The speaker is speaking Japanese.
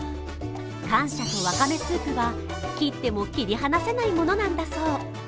感謝とわかめスープは切っても切り離せないものなんだそう。